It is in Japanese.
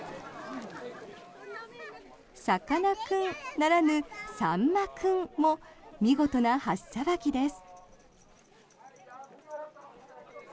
さかなクンならぬさんまクンも見事な箸さばきです。